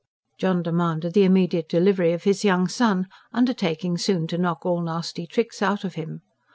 John demanded the immediate delivery of his young son, undertaking soon to knock all nasty tricks out of him.